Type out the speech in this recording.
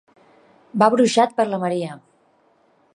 Va bruixat per la Maria.